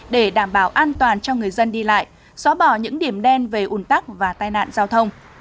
để đảm bảo an toàn cho người dân đi lại xóa bỏ những điểm đen về ủn tắc và tai nạn giao thông